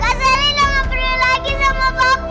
kak sally dah tidak beri lagi nama poppy